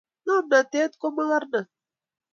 Ng'omnotete ko mokornot